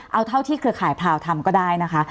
เอาเท่าที่เครือข่ายพราวทำก็ได้นะคะ